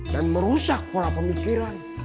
dan merusak pola pemikiran